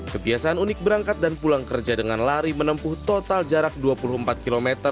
kebiasaan unik berangkat dan pulang kerja dengan lari menempuh total jarak dua puluh empat km